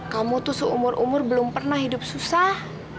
kamu tuh seumur umur belum pernah hidup susah